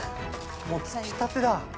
もうつきたてだ。